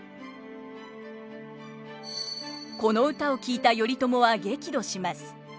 この歌を聞いた頼朝は激怒します。